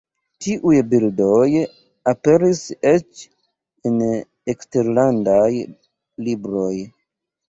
Tiuj bildoj aperis eĉ en eksterlandaj libroj.